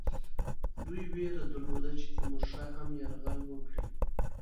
دوی وېره درلوده چې تیمورشاه هم یرغل وکړي.